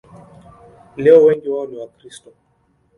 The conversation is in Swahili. Leo wengi wao ni Wakristo.